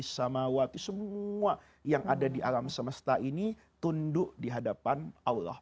samawati semua yang ada di alam semesta ini tunduk di hadapan allah